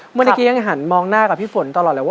มือดอกระยังหันมองหน้ากับพี่ฝนตลอดไว้ว่า